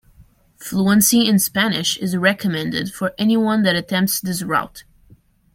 Fluency in Spanish is recommended for anyone that attempts this route.